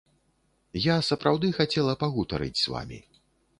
Я сапраўды хацела пагутарыць з вамі.